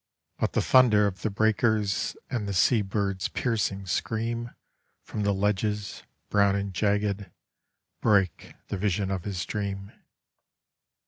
But the thunder of the breakers and the sea bird's piercing scream From the ledges, brown and jagged, break the vision of his dream.